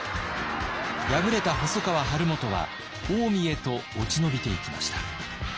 敗れた細川晴元は近江へと落ち延びていきました。